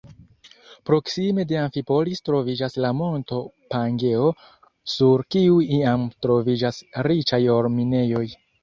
Proksime de Amfipolis troviĝas la monto Pangeo, sur kiu iam troviĝis riĉaj or-minejoj.